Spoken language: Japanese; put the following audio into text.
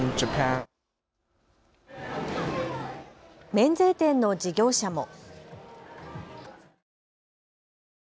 免税店の事業者も。